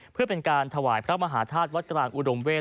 เพื่อเป็นการถวายพระมหาธาตุวัดกลางอุดมเวศ